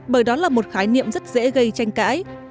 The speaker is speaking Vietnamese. bởi đó là một khái niệm rất dễ gây tranh cãi